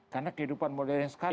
karena kehidupan modern sekarang